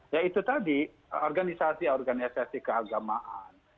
yaitu tadi organisasi organisasi keagamaan